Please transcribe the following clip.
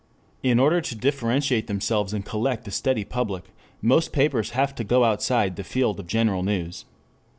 In order to differentiate themselves and collect a steady public most papers have to go outside the field of general news.